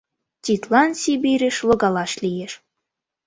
— Тидлан Сибирьыш логалаш лиеш.